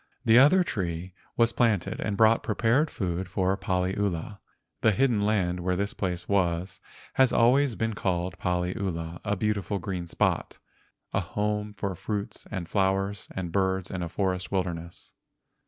The other tree was planted and brought pre¬ pared food for Paliula. The hidden land where this place was has always been called Paliula, a beautiful green spot—a home for fruits and flowers and birds in a forest wilderness.